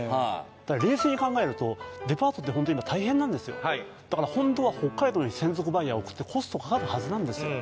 冷静に考えるとデパートってホント今大変なんですよだから本当は北海道に専属バイヤー置くってコストかかるはずなんですよ